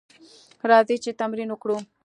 راځئ چې تمرین وکړو: